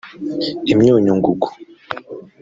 imyunyungugu